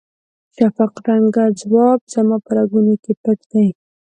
شفق رنګه ځواب زما په رګونو کې پټ دی.